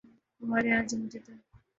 ہمارے ہاں جمہوریت ہے۔